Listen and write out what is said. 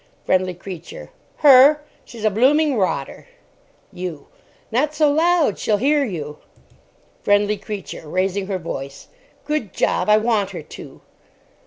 FRIENDLY CREATURE. Her! She's a blooming rotter. YOU. Not so loud. She'll hear you. FRIENDLY CREATURE (raising her voice). Good job. I want her to.